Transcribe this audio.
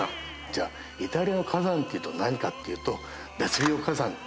じゃあイタリアの火山っていうと何かっていうとヴェスビオ火山。